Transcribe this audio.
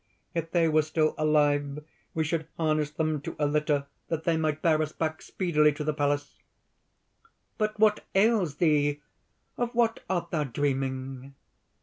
if they were still alive, we should harness them to a litter that they might bear us back speedily to the palace! But ... what ails thee? of what art thou dreaming?"